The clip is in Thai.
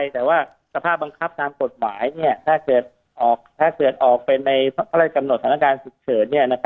แต่ว่าสภาพบังคับตามกฎหมายถ้าเกิดออกเป็นในพระราชกำหนดสถานการณ์ฉุกเฉิน